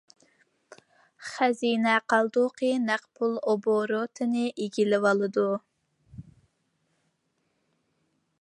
خەزىنە قالدۇقى نەق پۇل ئوبوروتىنى ئىگىلىۋالىدۇ.